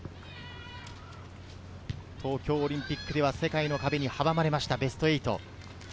東京オリンピックでは世界の壁に阻まれました、ベスト８。